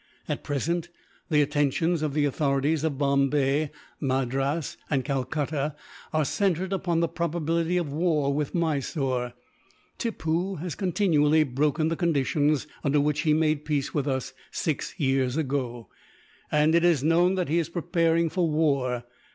At present, the attentions of the authorities of Bombay, Madras, and Calcutta are centred upon the probability of war with Mysore. Tippoo has continually broken the conditions under which he made peace with us, six years ago; and it is known that he is preparing for war.